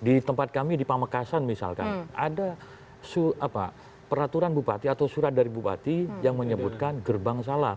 di tempat kami di pamekasan misalkan ada peraturan bupati atau surat dari bupati yang menyebutkan gerbang salah